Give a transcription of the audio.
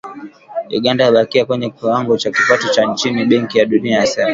Uganda yabakia kwenye kiwango cha kipato cha chini, Benki ya Dunia yasema